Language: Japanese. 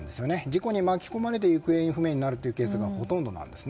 事故に巻き込まれて行方不明になるケースがほとんどなんです。